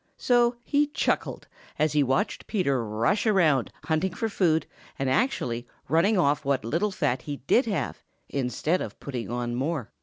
So he chuckled as he watched Peter rush around hunting for food and actually running off what little fat he did have, instead of putting on more.